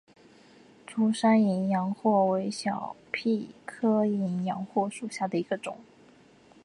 竹山淫羊藿为小檗科淫羊藿属下的一个种。